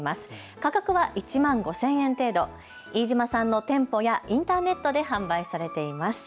価格は１万５０００円程度、飯島さんの店舗やインターネットで販売されています。